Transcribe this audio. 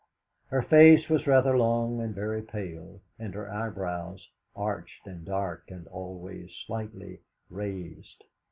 Her face was rather long and very pale, and her eyebrows arched and dark and always slightly raised.